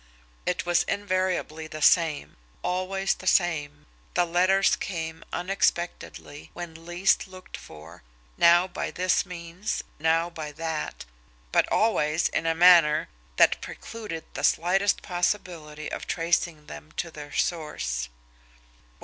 It was invariably the same, always the same the letters came unexpectedly, when least looked for, now by this means, now by that, but always in a manner that precluded the slightest possibility of tracing them to their source.